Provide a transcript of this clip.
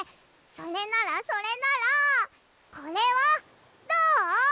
それならそれならこれはどう？